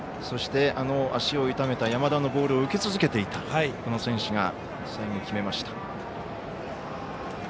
そして、足を痛めた山田のボールを受け続けていたこの選手が最後、決めました。